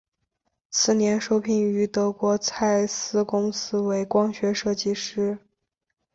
次年受聘于德国蔡司公司为光学设计师。